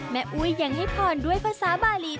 อุ้ยยังให้พรด้วยภาษาบาลี